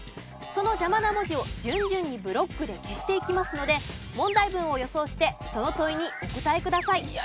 その邪魔な文字を順々にブロックで消していきますので問題文を予想してその問いにお答えください。